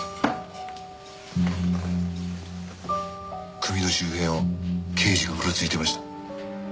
組の周辺を刑事がうろついてました。